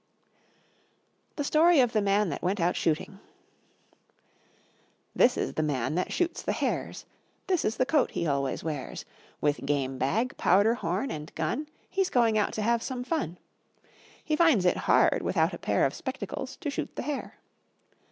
The Story of the Man that went out Shooting This is the man that shoots the hares; This is the coat he always wears: With game bag, powder horn, and gun He's going out to have some fun. He finds it hard, without a pair Of spectacles, to shoot the hare.